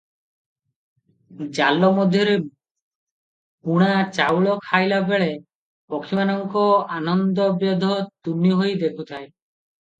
ଜାଲ ମଧ୍ୟରେ ବୁଣା ଚାଉଳ ଖାଇଲା ବେଳେ ପକ୍ଷୀମାନଙ୍କ ଆନନ୍ଦ ବ୍ୟାଧ ତୁନିହୋଇ ଦେଖୁଥାଏ ।